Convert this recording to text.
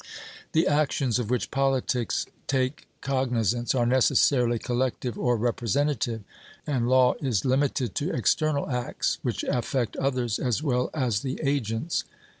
The actions of which politics take cognisance are necessarily collective or representative; and law is limited to external acts which affect others as well as the agents.